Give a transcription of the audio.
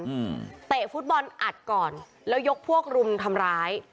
เตะฟุตบอลอัดก่อนแล้วยกพวกรุมทำร้าย